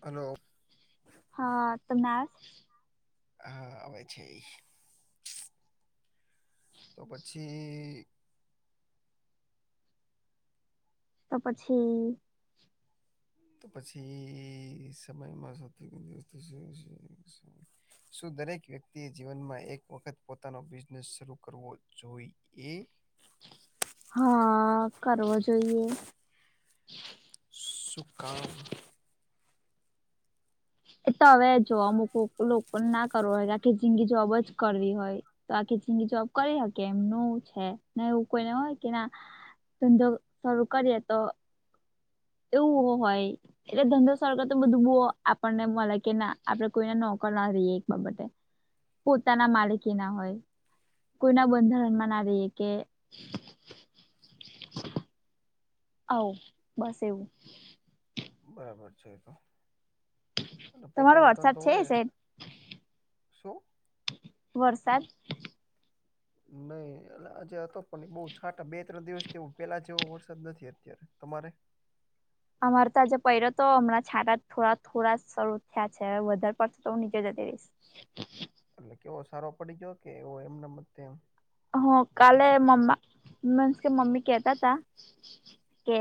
અલો. હા તમને આવે છ? હા આવે છેઈ. તો પછી તો પછી તો પછી સમયમાં સૌથી વધુ શું શું શું છે શું દરેક વ્યક્તિ એ જીવનમાં એક વખત પોતાનો બિઝનેસ શરૂ કરવો જોઈ એ? હા કરવો જોઈએ. સુ કામ? એ તો હવે જો અમુક કો લોકોને ના કરવો હોય, આખી જિંદગી જોબ જ કરવી હોય. તો આખી જિંદગી જોબ કરી હકે, એમનું છે ને એવું કોઈને હોય કે ના ધંધો, શરૂ કરીએ તો એવુંવ હોય. એટલે ધંધો સર કર તો બધું બો આપણને મલે કે ના આપડે કોઈને નોકર ના રઈએ એક બાબતે. પોતાના માલિકી ના હોય. કોઈના બંધારણમાં ના રહીએ કે આવુ, બસ એવું. બરાબર છે એ તો. અને તમારો પોતાનો વરસાદ છે સે શુ? વરસાદ. નહી એલ આજે હતો પણ બહુ છાંટા બે ત્રણ દિવસથી એવું પેલા જેવો વરસાદ નથી અત્યારે. તમારે? અમારે તો આજે પઈરો તો, હમણાં છાતા જ થોડા થોડા શરૂ થ્યા છે, વધારે પડશે તો હું નીચે જતી રઈસ. એટલે કેવો સારો પડી ગ્યો, કે એવો એમ નેમ તેમ? હ કાલે મમ્મા, મીન્સ કે મમ્મી કેતા તા કે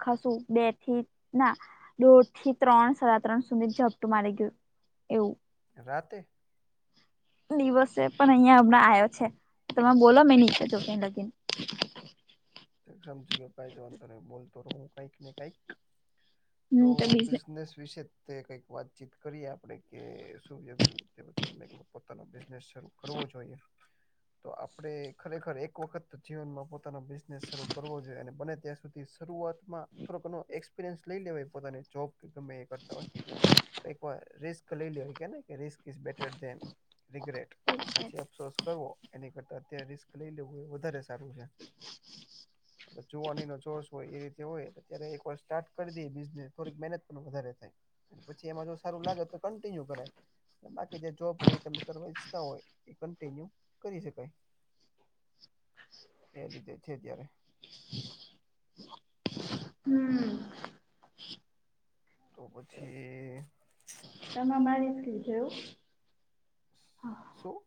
ખાસું બે થી, ના દોઢ થી ત્રણ, સાડા ત્રણ સુધી ઝપટું મારી ગયું, એવું. રાતે? દીવસે પણ અહિયાં હમણાં આયો છે, તમે બોલો મેં નીચે જોગીન લગીન. તે સમજી ગ્યો કાઈ જ વાંધો નહી, બોલતો રહું કાઈક ને કાઈક. તો બિઝનેસ વિશે તે કંઈક વાતચીત કરીએ આપણે કે શું [unintelligible] પછી મે એવું પોતાનો બિઝનેસ શરૂ કરવો જોઈએ. તો આપણે ખરેખર એક વખત તો જીવનમાં પોતાનો બિઝનેસ શરૂ કરવો જોઈએ અને બને ત્યાં સુધી થી શરૂઆતમાં થોડો ઘણો એક્સપિરયન્સ લઈ લેવાય જોબ કે ગમેએ કર તા હોય, તો એક વાર રિસ્ક લઈ લેવાય. કેને કે risk is better than regret. પછી અફસોસ કરવો એની કરતા અત્યારે રિસ્ક લઈ લેવું એ વધારે સારું રે. જોવાની નો જોશ હોય એ રીતે હોય, અત્યારે એક વાર સ્ટાર્ટ કરી દઈ બિઝનેસ, થોડીક મહેનત પણ વધારે થાય. પછી એમાં જો સારું લાગે તો કન્ટિન્યુ કરાય. બાકી જે જોબ ને ઈ તમે કરવા ઈચ્છતા હોય, ઈ કન્ટિન્યુ કરી શકાય. એ રીતેે છે જ્યારે તો પછી તમે મારી સ્કીલ છે એવુ? શુ?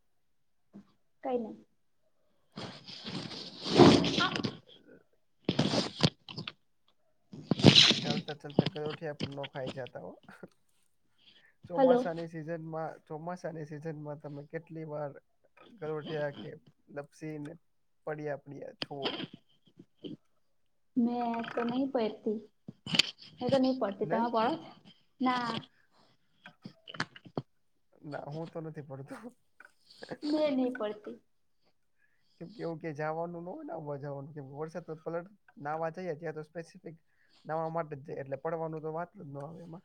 કઈ નઈ. [unintelligible] ચાલતા ચાલતા ગયોઠિયા પણ નો ખાઈ જાતા હો, હલો ચોમાસાની સિઝનમાં, ચોમાસાની સિઝનમાં તમે કેટલી વાર ઘરોઠ્યા કે લપસી ને પડ્યા પડ્યા છો. મેં તો નહી પહેરતી મે તો નહી પડતી તમે પડો છો ના ના હું તો નથી પડતો લે નહિ પડતી કેમ કે એવું કે જવાનું ન હોય ને આવા જવાનું કેમ વરસાદ તો પલટ નાવા જાય જ્યાં સ્પેસિફિક નવા માટે જાય, એટલે પડવાનું તો વાત જ ન આવે એમાં.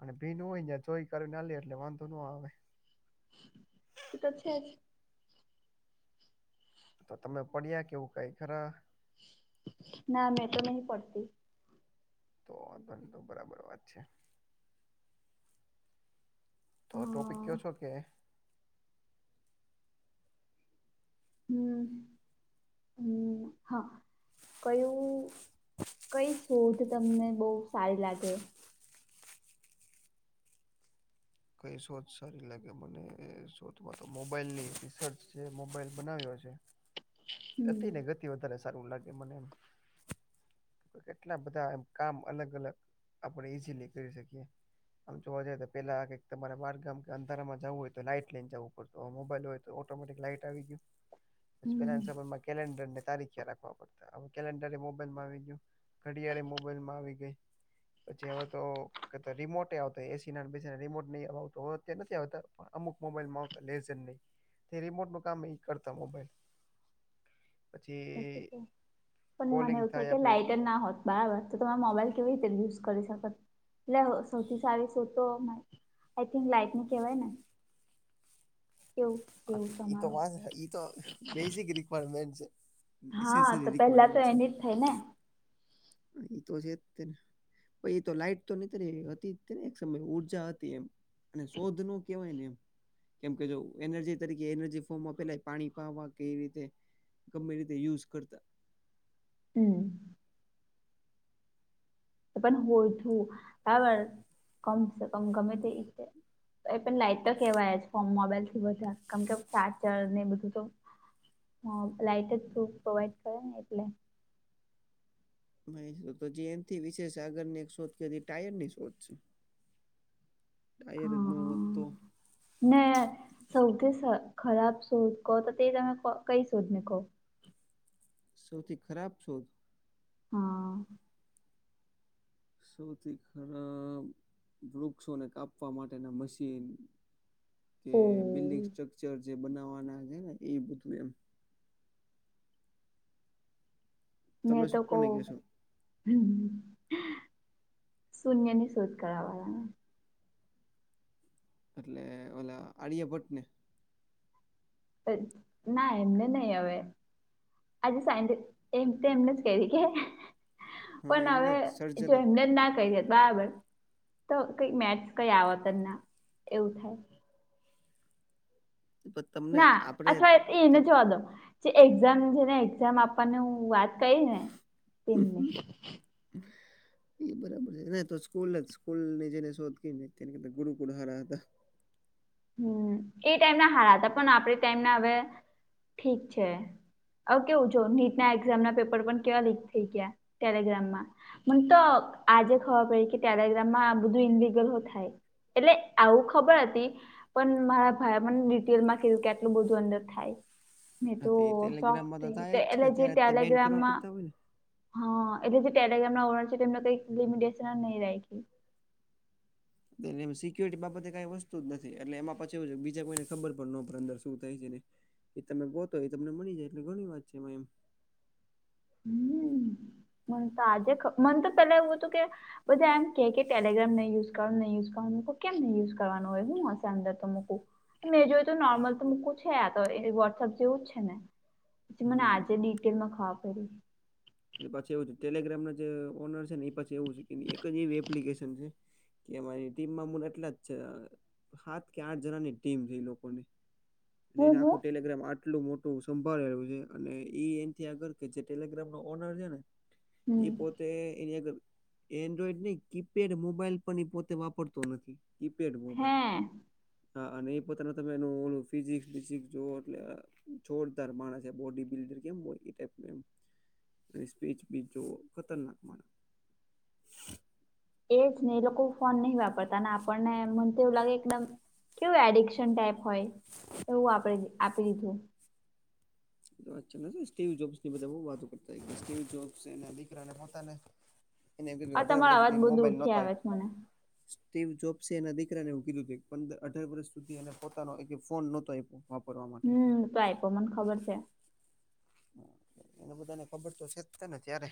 અને ભીનું હોય ન્યા જોઈ કરી ને હાલે એટલે વાંધો ન આવે. એ તો છે જ. તો તમે પડ્યા કે એવું કઈ ખરા? ના, મેં તો નહીં પડતી. તો વાંધો નઈ તો બરાબર વાત છે. તો ટોપિક હા ક્યો છો કે હમ્મ હમ્મ હા. કયું કઈ શોધ તમને બઉ સારી લાગે. કઈ શોધ સારી લાગે મને શોધમાં તો મોબાઈલ ની રિસર્ચ છે મોબાઈલ બનાવ્યો છે. [inaudible] હતી ને ગતિ વધારે સારું લાગે મને એમ. કેટલા બધા એમ કામ અલગ અલગ આપણે ઈઝીલી કરી શકીએ. આમ જોવા જએ તો પેલા તમારે બાગ ગામ કે અંધારામાં જવું હોય તો લાઈટ લઇને જવું પડત. તો મોબાઈલ હોય તો ઓટોમેટિક લાઈટ આવી ગયો. [inaudible] પછી પેલા ના હમ સમય માં કેલેન્ડર ને તારીખ રાખવા પડતા હવે કેલેન્ડરે એ મોબાઈલમાં આવી ગયું. ઘડિયાડે મોબાઈલ માં આવી ગઈ પછી હવે તો. રિમોટ આવતા એસી ના બેસી રિમોટ ન આવતો હોય નથી આવતા પણ અમુક મોબાઈલમાં આવતા લેઝ નહી. તે રિમોટ નું કામ એ કરતા મોબાઈલ. પછી પણ મને કોલિંગ એવું થાય કે આપણે લઇટર ના હોત. બરાબર તો તમે મોબાઈલ કેવી રીતે યુઝ કરી શકો એટલે સૌથી સારી શોધ તો આઈ થિંક લાઈટની કેવાય ને. કેવું કેવું એતો તમારું વા એતો બેસિક રિક્વાયરમેન્ટ છે. હા તો નેસેસરી પેલા તો રિક્વાયરમેન્ટ એનીજ થય ને. એ તો છે જ તેને. પ એ તો લાઈટ તો નહી હતીને એક સમય ઉર્જા હતી એમ. અને શોધ નો કેવાય ને એમ. કેમ કે જો એનર્જી તરીકે એનર્જી ફોર્મમાં પેલા પાણી પાવા કેવી રીતે. ગમે રીતે યુઝ કરતા. હમ્મ તો પણ હોય [unintelligible] કમ ગમે તે. એ પણ લાઈટ તો કેવાય ફો મોબાઈલ થી બધા કેમ કે ચાર્જર ને બધું તો. હ લાઇટ જ તું પ્રોવાડ કરે ને એટલે. [unintelligible] એક શોધ ક ટાયર ની શોધ છે. [inaudible] [unintelligible] હોત તો. નને સૌથી ખરાબ શોધ કહો તો તે તમે કઈ શોધને કહો. સૌથી ખરાબ શોધ. હા. સૌથી ખરાબ વૃક્ષોને કાપવા માટેના મશીન. કે ઓ બિલ્ડિંગ સ્ટ્રકચર જે બનાવવાના છે ને એ બધું એમ. મેં તમે તો શું કહ. કોને કહેશો શૂન્ય ની શોધ કરાવવા. એટલે ઓલા આડ્ય ભટ્ટ ને. ના એમને નહી હવે. આજે સાજે એમ તો એમને જ કરી કે. હા પણ એમને હવે જો સર્જન જ એમને ના કહી એ તો આવે તો કઈ મેથ્સ કઈ આવતર ના એવું થાય. પણ તમને ના આપડે અથવા એ ન તમ જોવા દો. જે એક્ઝામ છે ને એક્ઝામ આપવાની હું વાત કહી ને તેમને. [inaudible] એ બરાબર છે તો સ્કૂલ જ સ્કૂલ ની જેને શોધ તેને ગુરુકુળ હારા હતા. હમ એ ટાઈમ ના હારા હતા પણ આપડી ટાઈમ ના હવે ઠીક છે. હવે કેવું જો નીટ ના એક્ઝામ ના પેપર પણ કેવા લીક થઈ ગયા ટેલીગ્રામમાં. મને તો આજે ખબર પડી કે ટેલીગ્રામમાં આ બધું ઈનલિગલ હો થાય. એટલે આવું ખબર હતી. પણ મારા ભાઈ મને ડિટેલ માં કીધું કે આટલું બધું અંદર થાય. મે હા તો એ સો્ક ટેલિગ્રામમાં તો થઈ થાય જ છે ને એટલૅ જે ત્યારે તે બેન કરવા ટેલીગ્રામમાં. પડતા હોય ને હા એટલે જે ટેલીગ્રામ ના ઓનર છે એમને કઈક લિમિટેશન નહી રાખી. બેન સિક્યોરિટી બાબતે કઈ વસ્તુ જ નથી એટલે એમાં પછી એવું છે બીજા કોઈને ખબર પણ નનો પડે અંદર શું થાય છે ને. એ તમે ગોતો એ તમને મળી જાય એટલે ઘણી વાત છે એમ. હમ મન તો આજે મન તો પેલા એવું હતું કે બધા એમ. કે કે ટેલીગ્રામ નહી યુઝ કરવાનું નહી યુઝ કરવા મકુ કેમ નહી યુઝ કરવાનું હોય હું હશે અંદર તો મૂકું. મેં જોય તો નોર્મલ તો મૂકું છે આ તો વોટ્સઅપ જેવું જ છે ને. પછી મને આજે હમ ડિટેલમાં ખબર પડી એ પછી એવું છે ટેલીગ્રામ ના જે ઓનર છે ને એ પછી એવું છે કે એક જ એવી એપ્લિકેશન છે. કે મારી ટીમમાં મૂન એટલા જ છે. સાત કે આઠ જણા ની ટીમ છે લોકોની. અને હું એને હું આખું ટેલિગ્રામ આટલું મોટું સંભાળેલું છે અને એ એથી આગળ કે જે ટેલીગ્રામ. ઓનર છે ને એ હમ પોત તે એની આગળ એન્ડ્રોઈડ ની કીપેડ મોબાઈલ પણ એ પોતે વાપરતો નથી. કીપેડ હે મોબાઈલ હા અને એ પોતાનું તમે એનું ઓલું ફિઝિકસ બિજીક્સજોવ એટલે. જોરદાર માણસે બોડી બિલ્ડર કેમ હોય એ ટાઈપ એમ. સ્પીચ બી જોવો ખતરનાક મા. એ જ ને એ લોકો ફોન નહી વાપરતા આપણને મન તો એવું લાગે એકદમ કેવું એડિક્શન ટાઈપ. હોય એવું આપ આપી દીધું. વાત સ જોબ્ની બધ બ વાતો કરતા એ પોતા ના દીકરા પોને. [inaudible] એને એવું કીધું અઢાર તમારો વર્ષ અવાજ સુધી એને બહુ મોબાઈલ ન દૂરથી અપાય. આવે છે મને સ્ટીવ જોબ્સે એના દીકરાને એવુ કીધું પંદર અઢાર વર્ષ સુધી એ પોતાનો ફોન નહોતો આપ્યો ત હમ પાઈપો મને ખબર છે. એને બધાને ખબર તો છેજ તને ત્યારે.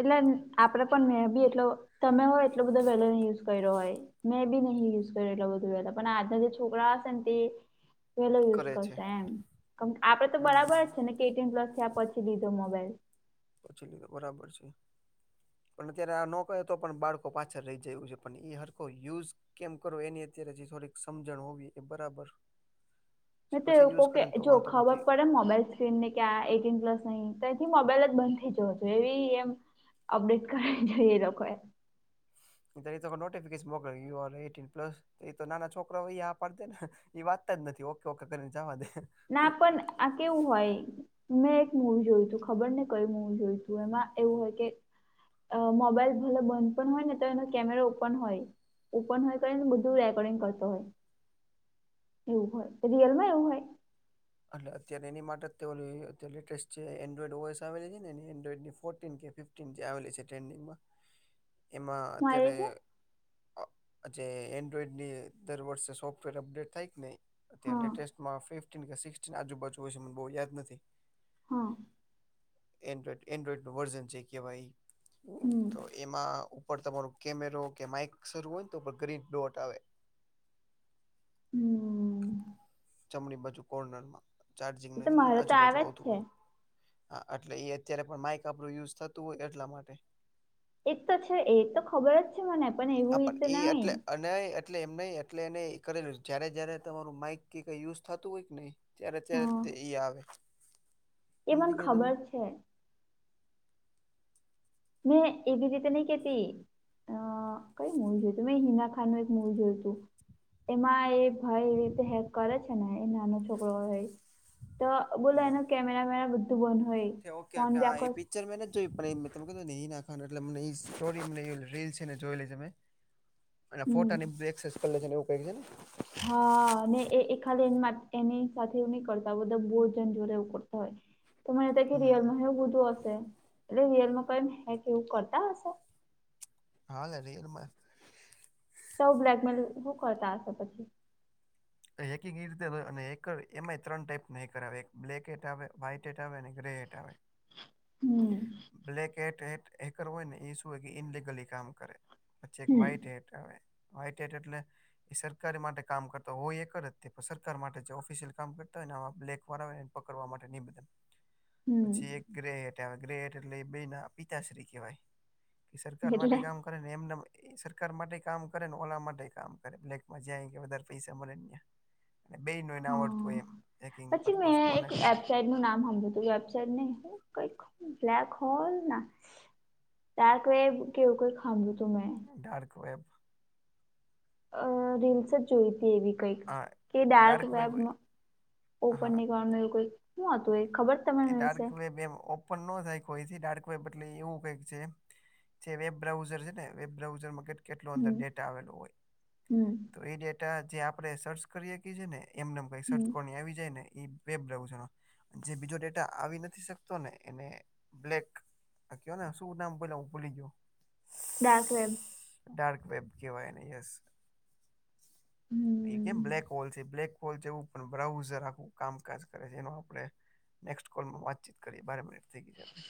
એટલે આપડે પણ મે બી એટલો તમે હોય એટલો બધો વેલો યુઝ કર્યો હોય. મેં બી નહીં યુઝ કરે એટલું બધું પણ આજના જે છોકરા હશે તે. પેલો યુઝ કરે છે કરશે એમ આપડે તો હમ બરાબર જ છે ને એટીન પ્લસ થયા પછી લીધો મોબાઈલ. પછી તો બરાબર છે. પણ અત્યારે આ નો કહે તો પણ બાળકો પાછળ રહી જાય એવું છે પણ એ હરકો યુઝ. કેમ કરો એની અત્યારે જે થોડીક સમજણ હોવી એ બરાબર. છે. મે તો પછી એવું કઉ યુઝ કે કરે ને તો જો વાંધો ખબર નથી પડે. મોબાઈલ સ્ક્રીન ને આ એટીન પ્લસ નહી તયથી મોબાઈલ જ બંધ થઈ જવો જોઇએ એવી એમ. અપડેટ કરાય એ લોકોએ. તય તો નોટિફિકેશન મોકલો યું આર એટીન પ્લસ. એ તો નાના છોકરો અહીયા પડ દે ને એ વાતતા જ નથી ઓકે ઓકે કરીને જવા દે. ના પણ આ કેવું હોય. મેં એક મૂવી જોયું તું ખબર ને કયુ મૂવી જોયું હતું એમાં એવું હોય કે. અ મોબાઈલ ભલે બંધ પણ હોય ને તો એનો કેમરા ઓપન હોય. ઓપન હોય કર ને બધું રેકોર્ડિંગ કરતો હોય. એવું હોય રિયલ માં એવું હોય. એટલે અત્યારે એની માટે ઓલી અત્યારે લેટેસ્ટ જે એન્ડ્રોઈડ વોઇસ આવેલી છે ને એન્ડ્રોડની ફોર્ટીન કે ફફ કેમ આવેલી છે ટ્રેડિંગમાં એમાં આવી અત્યારે રહી છે અ જે એન્ડ્રોઈડ ની દર વર્ષે સોફ્ટવેર અપડેટ થાય કે નહી અ હા લેટેસ્ટ માં ફિફ્ટીન કે સિક્સટીન આજુબાજુ હોય છે મને બહુ યાદ નથી હા. એન્ડ્રોઇડ એન્ડ્રોઈડનું વર્ઝન છે કે કેવાય ઈ હમ તો એમાં ઉપર તમારું કેમેરો કે માઇક શરૂ હોય ને તો ઉપર ગ્રીન ડોટ આવે. હમ્મ. જમણી બાજુ કોર્નરમાં ચાર્જિંગને તો મારો તો આજુબાજુ આવે જ આવતું છે હોય. હા એટલે એ અત્યારે પણ માઇક આપણું યુઝ થતું હોય એટલા માટે. એ તો છે એ તો ખબર જ છે મને પણ એવું એ તો નહી. ન એટલે એમ નહી એટલે એને કરેલું જયારે જય્યારે તમારું માઈક કે કઈ યુઝ થતું હોય કે નહી. ત્યારે ત્યારે હા તે ઈ આવે. એ સમજી મને ગયા તમે ખબર છે. મે એ બી રીતે નહી કેતી અ કઈ મૂવી જોઈતી મે હિના ખા ખાન નું એક મૂવી જોયું હતું. એમાં એ ભાઈ એ રીતે હેક કરે છે ને એ નાનો છોકરો હોય. તો બોલો હા એનો કેમેરા વેમેરા બધું બંધ હોય. ઓકે ફોન ઓકે બી હા આખો એબી પિક્ચર મે નથ જોઈ પણ તમે કધું ને હિના ખાન એટલે અમને એ સ્ટોરી અને એ રીલ છે ને જોએલી છે મે. [inaudible] અને ફોટાની બેકસાઈડ કરે છે ને એવું કઈ હે. હા અને એ એ ખાલી એ માટ એની સાથે એવું નહી કરતા બધા બોજન જોડે એવું કરતા હોય. તો મને કે હમ રિયલમાં એવું બધું હશે એટલે રિયલમાં કઈ હેક એવું કરતા હશે. હાલે રિયલમાં તો આવુ બ્લેકમેલ શું કરતા હશે પછી. અને હેકિંગ એ રીતે અને હેકર એમાંય ત્રણ ટાઈપના હેકર આવે એક બ્લેક હેટ આવે, વ્હાઈ હેટ આવે અને ગ્રે હેટ આવે. હમ બ્લેક હેટ હટ હેકર હોય ને એ શું હોય કે ઇનલિગલી કામ કરે. પછી એક હમ વ્હાઈટ હેટ આવે વ્હાઈટ હેટ એટલે એ સરકારી માટે કામ કરતા હોય એ હેકર જ પણ સરકાર માટે જે ઓફિસિયલ કામ કરતા હોય ને આ બ્લેકવાળા હોય ને પકડવા માટે નિવેદન. પછી એક હમ ગ્રે હેટ આવે ગ્રે હેટ એટલે બે ના પિતાશ્રી કહેવાય. એ સરકાર એટલે માટે કામ કરે ને એમને એમ એ સરકાર માટેય કામ કરે ને ઓલા માટેય કામ કરે બ્લેકમાં જ્યાં એમ કે વધારે પૈસા મળે ને ન્યાં. અને બેઈનું એને આવડતું હા હોય એમ હેકિંગ પર કોર્સ કોને કઇરુ. ટેગનું નામ હાંભળ્યો વેબસાાઈટ ની કઈક બ્લેક હોલ ના. ડાર્ક વેબ કે એવું કંઈક હાંભળ્યું હતું મેં. Dark web. અ રીલસ જ જોઈતી એવી. કઈક હા કે ડાર્ક વેબ મા ઓપન હા ની કરવાનું એવું કઈ હું હતું એ ખબર. એ તમારા ડાર્ક વિશે વેબ એમ ઓપન નો થાય કોઈથી. ડાર્ક વેબ એટલે એવું કઈક છે જે વેબ બ્રાઉઝર છે ને વેબ બ્રાઉઝરમાં કેટ કેટલું અંદર હમ ડેટા આવેલો હોય હમ તો એ ડેટા જે આપણે સર્ચ કરી હકીયે છે ને. એમ ને એમ કઈ હમ સર્ચ કોની આવી જાય ને એ વેબ બ્રાઉઝર હોય. જે બીજો ડે ડેટા આવી નથી શકતો ને એને બ્લેક આ કયો ને આ શું નામ બોલા હું ભૂલી ગયો. ડાર્ક વેબ ડાર્ક વેબ કેવાય એને યસ. એ કેમ હમ બ્લેક હોલ છે બ્લેક? હોલ જેવું પણ બ્રાઉઝર આખું કામકાજ કરે છે જે એનું આપણે નેક્સ્ટ કોલમાં વાતચીત કરીએ બાર મિનીટ થઈ ગઈ છે આપણે.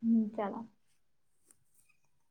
હમ્મ ચાલો.